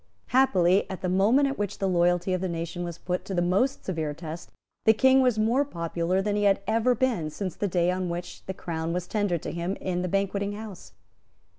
Happily, at the moment at which the loyalty of the nation was put to the most severe test, the King was more popular than he had ever been since the day on which the Crown was tendered to him in the Banqueting House.